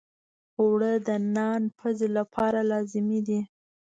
اوړه د نان پزی لپاره لازمي دي